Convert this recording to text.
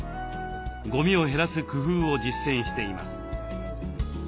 ゴミを減らす工夫を実践しています。